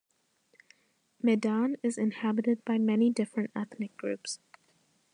Medan is inhabited by many different ethnic groups.